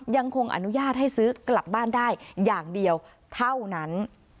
ยังคงอนุญาตให้ซื้อกลับบ้านได้อย่างเดียวเท่านั้น